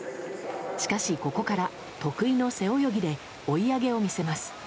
しかし、ここから得意の背泳ぎで追い上げを見せます。